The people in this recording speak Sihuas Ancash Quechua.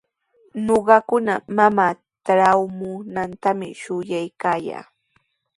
Ñuqakuna mamaa traamunantami shuyaykaayaa.